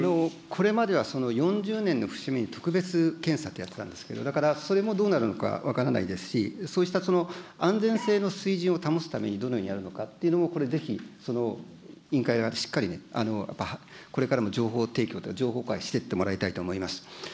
これまでは４０年の節目に特別検査ってやってたんですけど、だから、それもどうなるのか分からないですし、そうした安全性の水準を保つためにどのようにやるのかっていうのもこれ、ぜひその委員会がしっかりね、これからも情報提供、情報開示していってもらいたいと思います。